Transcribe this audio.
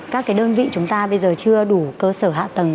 các đơn vị chúng ta bây giờ chưa đủ cơ sở hạ tầng